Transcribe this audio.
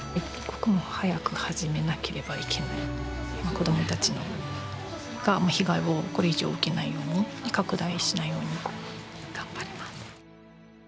子どもたちが被害をこれ以上受けないように拡大しないように頑張ります。